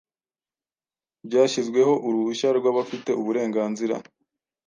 byashyizweho uruhushya rwabafite uburenganzira